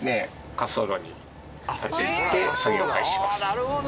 滑走路に立ち入って作業を開始します。